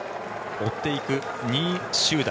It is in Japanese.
追っていく２位集団。